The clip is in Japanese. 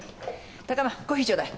貴山コーヒーちょうだい。